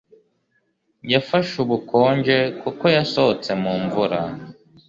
Yafashe ubukonje kuko yasohotse mu mvura.